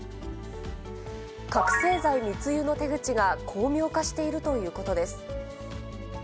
覚醒剤密輸の手口が巧妙化しているということです。